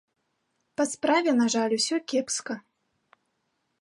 Па справе, на жаль, усё кепска.